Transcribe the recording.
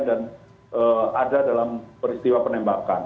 dan ada dalam peristiwa penembakan